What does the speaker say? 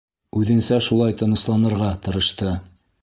Үҙенсә шулай тынысланырға тырышты.